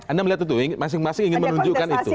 anda melihat itu masing masing ingin menunjukkan itu